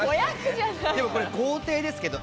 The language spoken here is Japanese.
でもこれ豪邸ですけど。